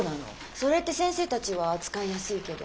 それって先生たちは扱いやすいけど。